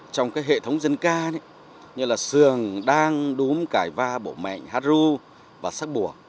trong các hệ thống dân ca như là sườn đan đúm cải va bổ mệnh hát ru và sắc bùa